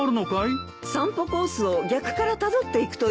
散歩コースを逆からたどっていくといいよ。